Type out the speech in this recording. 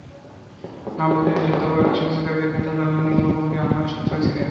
নব্বইয়ের দশকে যুদ্ধাপরাধীদের শাস্তির দাবিতে ঘাতক দালাল নির্মূল কমিটির আন্দোলনে সোচ্চার ছিলেন।